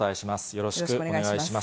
よろしくお願いします。